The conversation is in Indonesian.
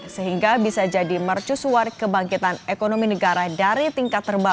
sehingga bisa jadi mercusuar kebangkitan ekonomi negara dari tingkat terbaik